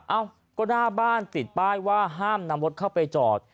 เอ้าก็หน้าบ้านติดป้ายว่าห้ามนำรถเข้าไปจอด